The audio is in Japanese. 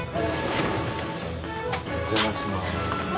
お邪魔します。